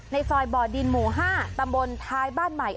ซอยบ่อดินหมู่๕ตำบลท้ายบ้านใหม่